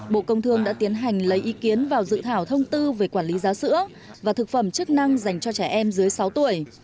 bộ công thương đã tiến hành lấy ý kiến vào dự thảo thông tư về quản lý giá sữa và thực phẩm chức năng dành cho trẻ em dưới sáu tuổi